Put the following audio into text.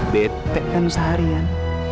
betek kan seharian